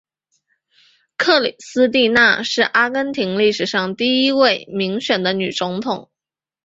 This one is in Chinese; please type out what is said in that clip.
克里斯蒂娜是阿根廷历史上第一位民选的女总统。